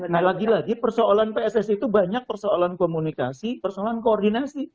nah lagi lagi persoalan pssi itu banyak persoalan komunikasi persoalan koordinasi